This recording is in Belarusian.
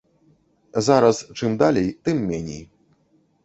Зараз чым далей, тым меней.